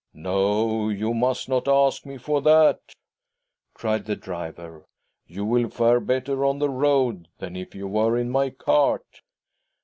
" No, you must not ask me for that," cried the driver. "You will fare better on the road than if you were in my cart."